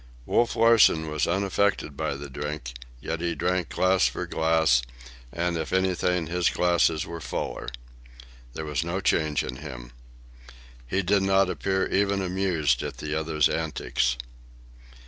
Wolf Larsen was unaffected by the drink, yet he drank glass for glass, and if anything his glasses were fuller. There was no change in him. He did not appear even amused at the other's antics.